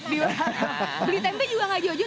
beli tempe juga gak jauh jauh